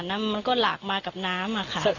น้ำมันก็หลากมากับน้ำค่ะ